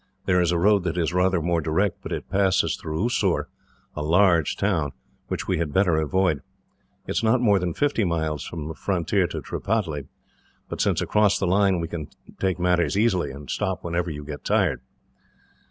There is a road that is rather more direct, but it passes through Oussoor, a large town, which we had better avoid. It is not more than fifty miles from the frontier to Tripataly, but once across the line we can take matters easily, and stop whenever you get tired."